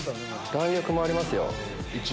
弾力もありますよ。